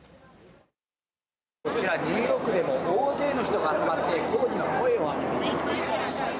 こちら、ニューヨークでも大勢の人が集まって、抗議の声を上げています。